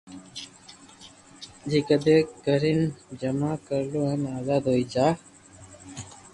جڪدو ڪرين جما ڪراو ھين آزاد ھوئي جا